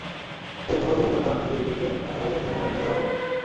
সেই প্রকল্প পরিকল্পনার সঙ্গে যুক্ত ছিলেন তাঁর বাল্যবন্ধু মোহাম্মদ মিজানুর রহমান।